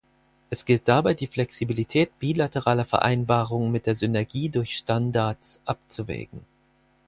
Es gilt dabei, die Flexibilität bilateraler Vereinbarungen mit der Synergie durch Standards abzuwägen.